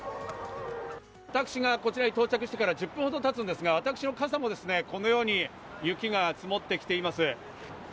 私がこちらに到着してから１０分ほどですが、私の傘もこのように雪が積もってきています。